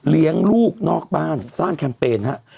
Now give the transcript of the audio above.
เลี้ยงลูกนอกบ้านสร้างแคมเปญฮะ